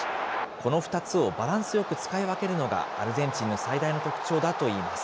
この２つをバランスよく使い分けるのが、アルゼンチンの最大の特徴だといいます。